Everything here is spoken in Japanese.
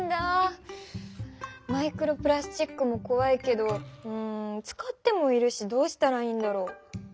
マイクロプラスチックもこわいけどうん使ってもいるしどうしたらいいんだろう？